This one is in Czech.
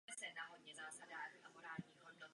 Postupně se Holuby vypracoval na inspektora lázní.